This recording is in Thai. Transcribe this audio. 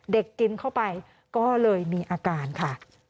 กินเข้าไปก็เลยมีอาการค่ะ